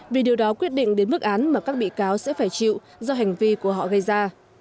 vì điều đó quyết định đến mức án mà các bị cáo sẽ phải chịu do hành vi của họ gây ra